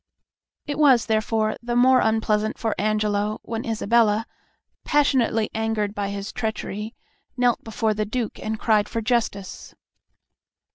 It was, therefore, the more unpleasant for Angelo when Isabella, passionately angered by his treachery, knelt before the Duke, and cried for justice.